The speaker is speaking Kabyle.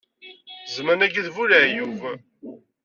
Zzman-agi d bu leɛyub